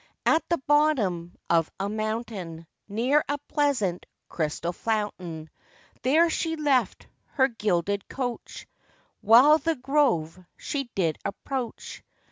At the bottom of a mountain, Near a pleasant crystal fountain, There she left her gilded coach, While the grove she did approach.